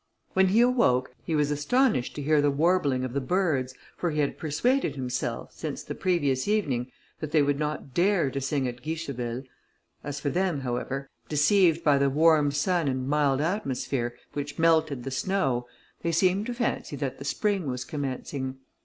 When he awoke, he was astonished to hear the warbling of the birds, for he had persuaded himself, since the previous evening, that they would not dare to sing at Guicheville. As for them, however, deceived by the warm sun and mild atmosphere, which melted the snow, they seemed to fancy that the spring was commencing.